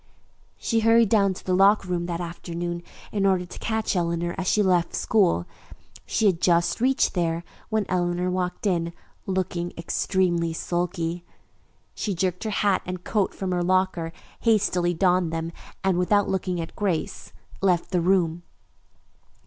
She hurried down to the locker room that afternoon in order to catch Eleanor as she left school. She had just reached there when Eleanor walked in, looking extremely sulky. She jerked her hat and coat from her locker, hastily donned them, and, without looking at Grace, left the room.